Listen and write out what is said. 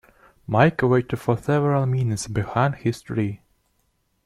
Mike waited for several minutes behind his tree.